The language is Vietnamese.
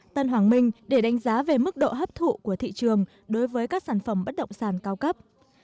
tân hoàng minh để đánh giá về mức độ hấp thụ của thị trường đối với các sản phẩm bất động sản cao cấp